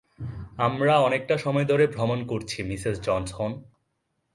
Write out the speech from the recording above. আমরা অনেকটা সময় ধরে ভ্রমণ করছি, মিসেস জনসন।